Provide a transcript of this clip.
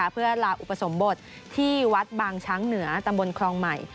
เพื่อลาอุปสมบทที่วัดบางช้างเหนือตำบลครองใหม่